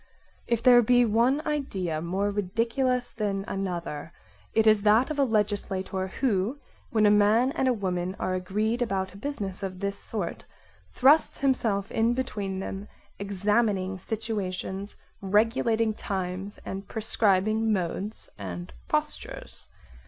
If there be one idea more ridiculous than another, it is that of a legislator who, when a man and a woman are agreed about a business of this sort, thrusts himself in between them, examining situa tions, regulating times and prescribing modes and postures.